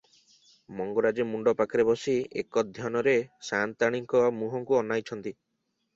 ମଙ୍ଗରାଜେ ମୁଣ୍ତ ପାଖରେ ବସି ଏକଧ୍ୟନରେ ସାଆନ୍ତାଣୀଙ୍କ ମୁହଁକୁ ଅନାଇ ଅଛନ୍ତି ।